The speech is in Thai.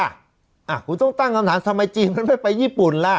อ่ะคุณต้องตั้งคำถามทำไมจีนมันไม่ไปญี่ปุ่นล่ะ